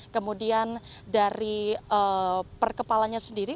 kemudian dari perkepalannya sendiri